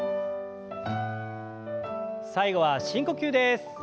最後は深呼吸です。